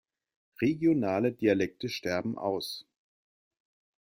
Regionale Dialekte sterben aus.